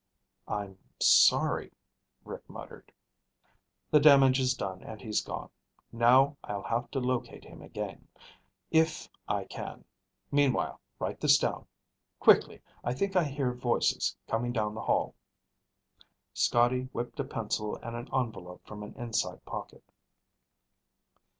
"I'm sorry," Rick muttered. "The damage is done and he's gone. Now I'll have to locate him again, if I can. Meanwhile, write this down. Quickly. I think I hear voices coming down the hall." Scotty whipped a pencil and an envelope from an inside pocket.